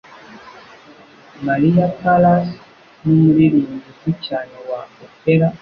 Maria Callas numuririmbyi uzwi cyane wa opera.